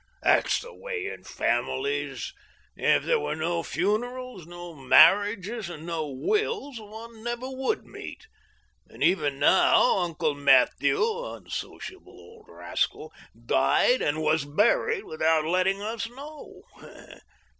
That's the way in families. If there were no funerals, no mar* riages, and no wills, one never would meet ; and even now Uncle Matthieu — unsociable old rascal !— died and was buried without let* ting us know.